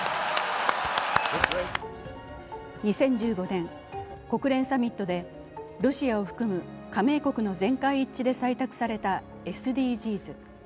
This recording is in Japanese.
２０１５年、国連サミットでロシアを含む加盟国の全会一致で採択されたＳＤＧｓ。